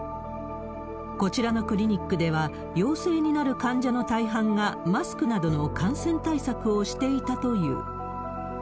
こちらのクリニックでは陽性になる患者の大半がマスクなどの感染対策をしていたという。